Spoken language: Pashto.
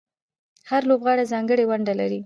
هر لوبغاړی ځانګړې ونډه لري.